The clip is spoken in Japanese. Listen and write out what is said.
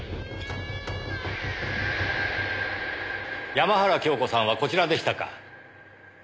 山原京子さんはこちらでしたか。